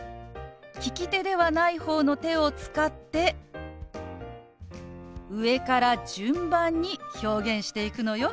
利き手ではない方の手を使って上から順番に表現していくのよ。